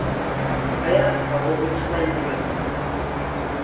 Aya va goviç̌ǩvendinaminon.